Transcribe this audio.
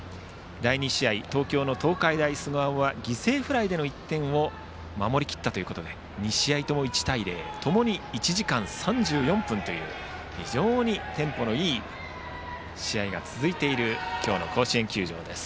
第２試合、東京の東海大菅生は犠牲フライでの１点を守りきったということで２試合とも１対０共に１時間３４分という非常にテンポのいい試合が続いている今日の甲子園球場です。